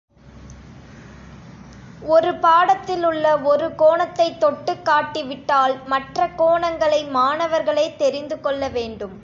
ஒரு பாடத்திலுள்ள ஒரு கோணத்தைத் தொட்டுக்காட்டி விட்டால் மற்ற கோணங்களை மாணவர்களே தெரிந்துகொள்ளவேண்டும்.